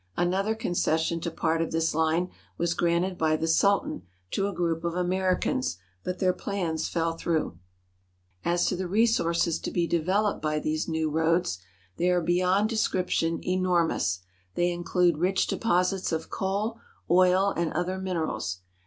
Another concession to part of this line was granted by the Sultan to a group of Americans, but their plans fell through. As to the resources to be developed by these new roads, 248 ACROSS THE LEBANON MOUNTAINS they are beyond description enormous. They include rich deposits of coal, oil, and other minerals.